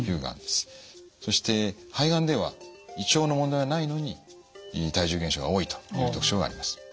そして肺がんでは胃腸の問題はないのに体重減少が多いという特徴があります。